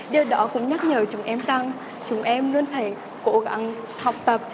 điều đó cũng nhắc nhở chúng em rằng chúng em luôn phải cố gắng học tập